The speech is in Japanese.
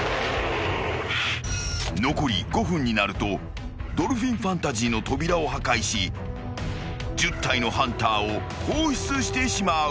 ［残り５分になるとドルフィンファンタジーの扉を破壊し１０体のハンターを放出してしまう］